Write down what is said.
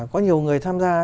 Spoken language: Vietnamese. có nhiều người tham gia